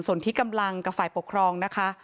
ส่วนที่กำลังกับฝ่ายปกครองนะคะ